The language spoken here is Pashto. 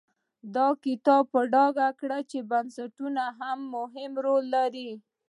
دا کتاب به په ډاګه کړي چې بنسټونه مهم رول لري.